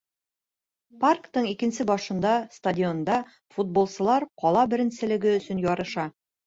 Парктың икенсе башында, стадионда, футболсылар ҡала беренселеге өсөн ярыша.